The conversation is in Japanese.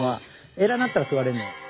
偉なったら座れんのよ。